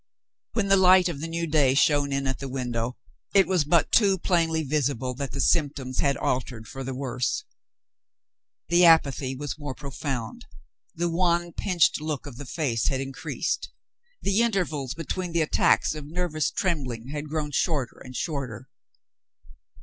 When the light of the new day shone in at the window, it was but too plainly visible that the symptoms had altered for the worse. The apathy was more profound, the wan pinched look of the face had increased, the intervals between the attacks of nervous trembling had grown shorter and shorter.